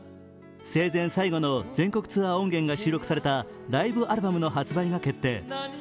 生前最後の全国ツアー音源が収録されたライブアルバムの発売が決定。